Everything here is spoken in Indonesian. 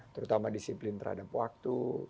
terutama disiplin terhadap waktu